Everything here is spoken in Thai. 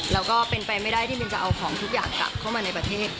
แล้วก็เป็นไปไม่ได้ที่มินจะเอาของทุกอย่างกลับเข้ามาในประเทศ